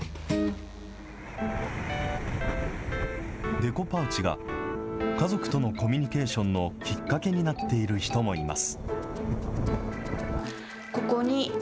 デコパウチが家族とのコミュニケーションのきっかけになっている人もいます。